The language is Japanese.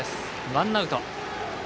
ワンアウト。